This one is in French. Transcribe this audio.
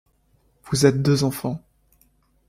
Vous êtes deux enfants.